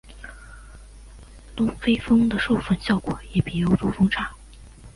东非蜂的授粉效果也比欧洲蜂差。